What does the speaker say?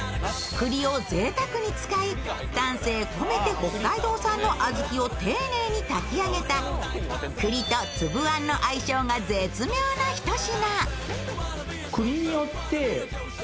栗をぜいたくに使い、丹精込めて北海道産のあずきを丁寧に炊き上げた栗とつぶあんの相性が絶妙な一品。